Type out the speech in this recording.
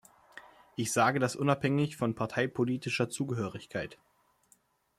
Ich sage das unabhängig von parteipolitischer Zugehörigkeit.